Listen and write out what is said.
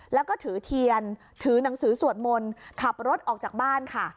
แล้วก็ถือเทียนถือหนังสือสวดมนต์ขับรถออกจากบ้านค่ะ